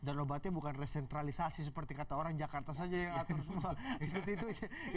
dan obatnya bukan resentralisasi seperti kata orang jakarta saja yang atur semua